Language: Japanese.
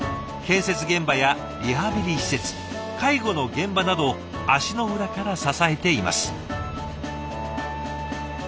建設現場やリハビリ施設介護の現場などを足の裏から支えています。